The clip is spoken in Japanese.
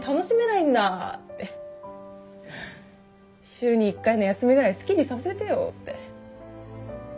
「週に一回の休みぐらい好きにさせてよ」って。